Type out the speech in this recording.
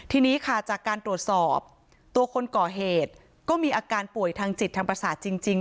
ทีนี้ค่ะจากการตรวจสอบตัวคนก่อเหตุก็มีอาการป่วยทางจิตทางประสาทจริง